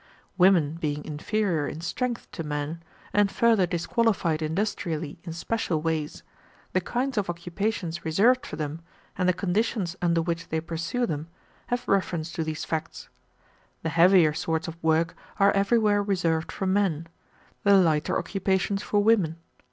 Women being inferior in strength to men, and further disqualified industrially in special ways, the kinds of occupation reserved for them, and the conditions under which they pursue them, have reference to these facts. The heavier sorts of work are everywhere reserved for men, the lighter occupations for women.